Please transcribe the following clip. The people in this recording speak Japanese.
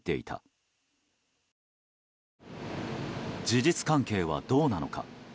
事実関係はどうなのか。